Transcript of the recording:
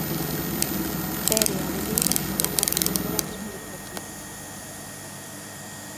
Tere Abelleira xogou catro temporadas no Deportivo.